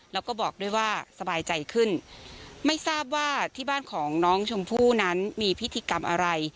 แล้วก็บอกด้วยว่าสบายใจขึ้นไม่ทราบว่าที่บ้านของน้องชมพู่นั้นมีพิธีกรรมอะไร